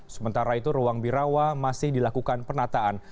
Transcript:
sementara itu ruang birawa masih dilakukan penataan